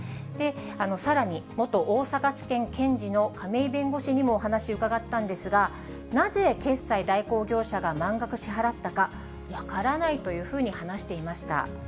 さらに、元大阪地検検事の亀井弁護士にもお話伺ったんですが、なぜ、決済代行業者が満額支払ったか分からないというふうに話していました。